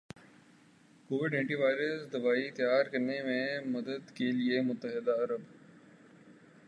Covid anti viral دوائی تیار کرنے میں مدد کے لئے متحدہ عرب